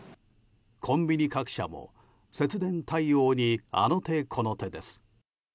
コンビニ各社も節電対応にあの手この手です。